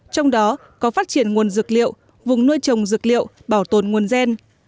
trong đó có phát triển nguồn dược liệu vùng nuôi trồng dược liệu bảo tồn nguồn gen